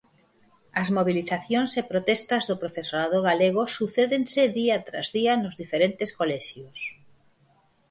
As mobilizacións e protestas do profesorado galego sucédense día tras día nos diferentes colexios.